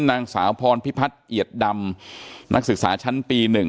นางสาวพรพิพัฒน์เอียดดำนักศึกษาชั้นปี๑